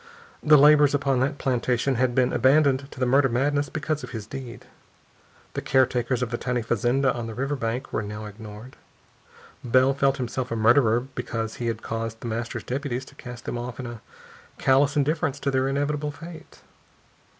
The laborers upon that plantation had been abandoned to the murder madness because of his deed. The caretakers of the tiny fazenda on the river bank were now ignored. Bell felt himself a murderer because he had caused The Master's deputies to cast them off in a callous indifference to their inevitable fate.